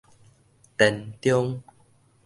田中